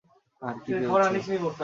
আর কি পেয়েছ?